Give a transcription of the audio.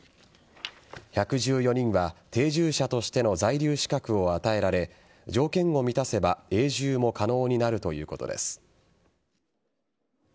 １１４人は定住者としての在留資格を与えられ条件を満たせば永住も可能になるということです。